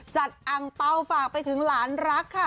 อังเปล่าฝากไปถึงหลานรักค่ะ